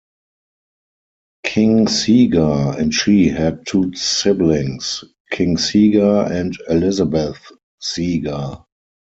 King Seegar and she had two siblings: King Seegar and Elizabeth Seegar.